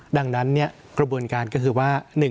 ดังนั้นกระบวนการก็คือว่า